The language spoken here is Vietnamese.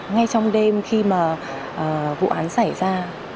ngay trong đêm khi mà vụ án xảy ra